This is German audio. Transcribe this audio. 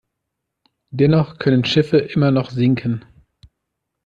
Dennoch können Schiffe immer noch sinken.